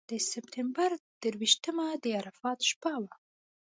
د سپټمبر درویشتمه د عرفات شپه وه.